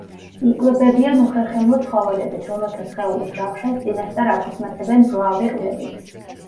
იკვებებიან უხერხემლო ცხოველებით, რომელთა სხეულის ჯავშანს წინასწარ აქუცმაცებენ მძლავრი ყბებით.